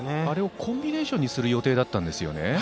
あれをコンビネーションにする予定だったんですね。